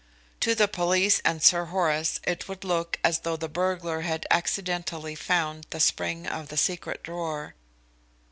To the police and Sir Horace it would look as though the burglar had accidentally found the spring of the secret drawer.